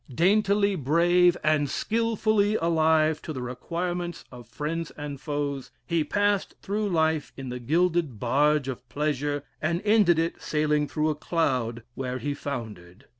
Daintily brave and skilfully alive to the requirements of friends and foes, he passed through life in the gilded barge of pleasure, and ended it sailing through a cloud where he foundered.